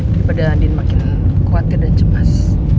daripada andien makin kuat dan cepat